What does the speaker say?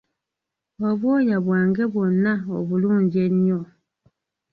Obwoya bwange bwonna obulungi ennyo!